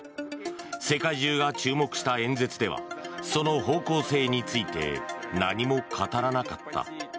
世界中が注目した演説ではその方向性について何も語らなかった。